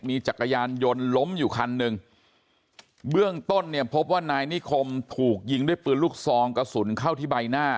มีจักรยานยนต์ล้มอยู่คันหนึ่งเบื้องต้นเนี่ยพบว่านายนิคมถูกยิงด้วยปืนลูกซองกระสุนเข้าที่ใบหน้า